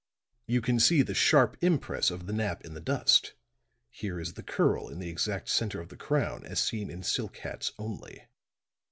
You can see the sharp impress of the nap in the dust; here is the curl in the exact center of the crown as seen in silk hats only.